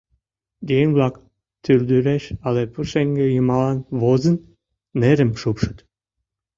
Еҥ-влак, тулдӱреш але пушеҥге йымалан возын, нерым шупшыт.